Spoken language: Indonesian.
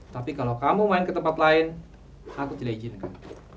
tapi kalau kamu main ke tempat lain aku tidak izinkan